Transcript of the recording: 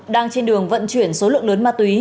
đang trên đường vận chuyển số lượng lớn ma túy